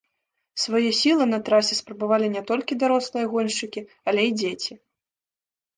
Свае сілы на трасе спрабавалі не толькі дарослыя гоншчыкі, але і дзеці.